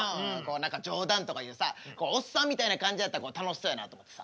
何か冗談とか言うさおっさんみたいな感じやったら楽しそうやなと思ってさ。